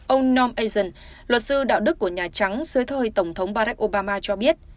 ông norm aydin luật sư đạo đức của nhà trắng xứ thời tổng thống barack obama cho biết